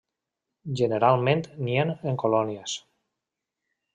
Generalment nien en colònies.